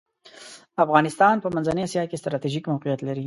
افغانستان په منځنۍ اسیا کې ستراتیژیک موقیعت لری .